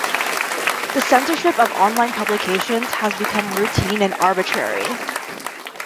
The censorship of online publications has become routine and arbitrary.